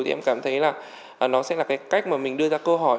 thì em cảm thấy là nó sẽ là cái cách mà mình đưa ra câu hỏi